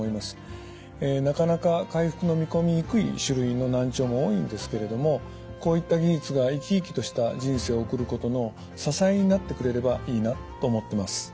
なかなか回復の見込みにくい種類の難聴も多いんですけれどもこういった技術が生き生きとした人生を送ることの支えになってくれればいいなと思ってます。